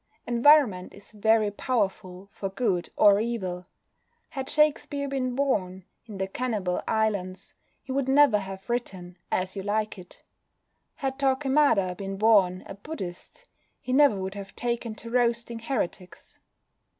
Environment is very powerful for good or evil. Had Shakespeare been born in the Cannibal Islands he would never have written As You Like It; had Torquemada been born a Buddhist he never would have taken to roasting heretics.